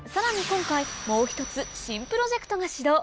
今回もう一つ新プロジェクトが始動